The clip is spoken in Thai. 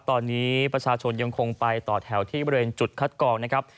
ตอนนี้ประชาชนยังคงไปต่อแถวที่บริเวณจุดคัดกองนะครับ